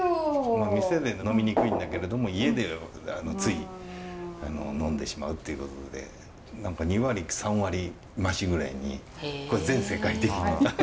まあ店で呑みにくいんだけれども家でつい呑んでしまうっていうことで何か２割３割増しぐらいにこれ全世界的に！